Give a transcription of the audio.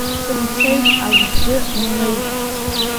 Сымцеит акгьы нмыжь.